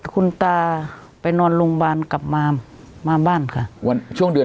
คุณตาไปนอนโรงพยาบาลกลับมามาบ้านค่ะวันช่วงเดือน